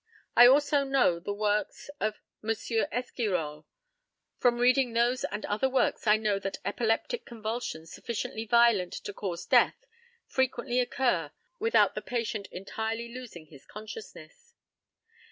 I also know the works of M. Esquirolle. From reading those and other works I know that epileptic convulsions sufficiently violent to cause death frequently occur without the patient entirely losing his consciousness.